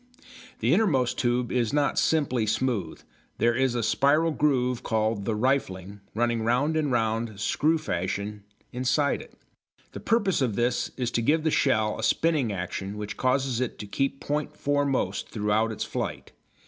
The innermost tube is not simply smooth. There is a spiral groove, called the "rifling," running round and round, screw fashion, inside it. The purpose of this is to give the shell a spinning action which causes it to keep point foremost throughout its flight.